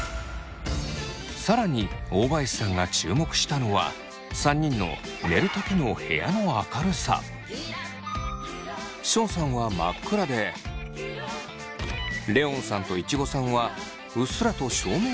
更に大林さんが注目したのは３人の寝る時のションさんは真っ暗でレオンさんといちごさんはうっすらと照明をつけて寝ています。